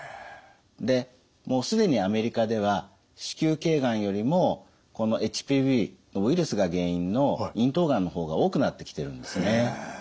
でもう既にアメリカでは子宮頸がんよりもＨＰＶのウイルスが原因の咽頭がんの方が多くなってきてるんですね。